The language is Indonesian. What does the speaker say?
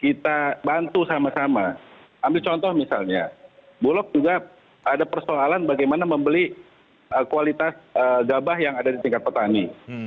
kita bantu sama sama ambil contoh misalnya bulog juga ada persoalan bagaimana membeli kualitas gabah yang ada di tingkat petani